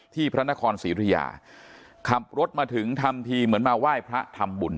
พระนครศรีธุยาขับรถมาถึงทำทีเหมือนมาไหว้พระทำบุญ